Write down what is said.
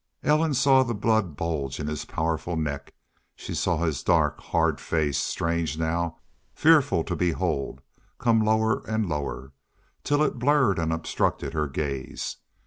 Ellen saw the blood bulge in his powerful neck. She saw his dark, hard face, strange now, fearful to behold, come lower and lower, till it blurred and obstructed her gaze.